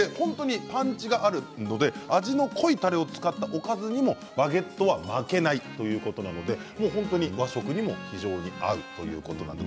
パンチがあるということで味の濃いたれを使ったおかずにもバゲットは負けないということで和食にも非常に合うということなんです。